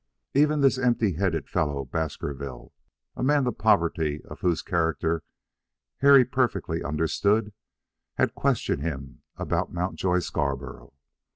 Even this empty headed fellow Baskerville, a man the poverty of whose character Harry perfectly understood, had questioned him about Mountjoy Scarborough.